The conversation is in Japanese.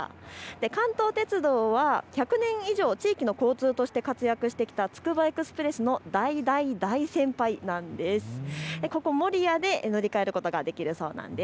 関東鉄道は１００年以上地域の交通として活躍してきたつくばエクスプレスの大大大先輩なんです。